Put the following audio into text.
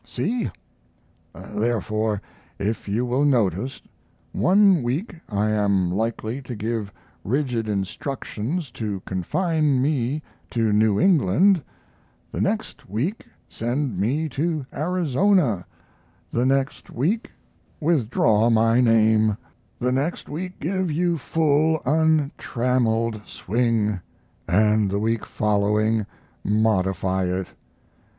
See? Therefore, if you will notice, one week I am likely to give rigid instructions to confine me to New England; the next week send me to Arizona; the next week withdraw my name; the next week give you full, untrammeled swing; and the week following modify it.